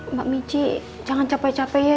mbak mici jangan capek capek ya